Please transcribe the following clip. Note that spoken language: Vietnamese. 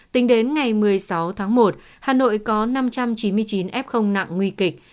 tính đến ngày một mươi sáu tháng một hà nội có năm trăm chín mươi chín f nặng nguy kịch